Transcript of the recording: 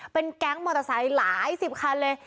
เป็นแก๊งมอเตอร์ไซค์หลายสิบคันเลย